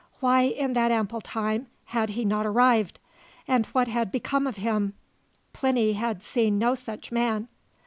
Why, in that ample time, had he not arrived, and what had become of him? Plinny had seen no such man.